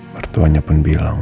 pertuanya pun bilang